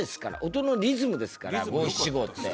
音のリズムですから５・７・５って。